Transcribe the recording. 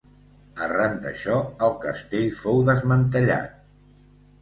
Arran d'això, el castell fou desmantellat.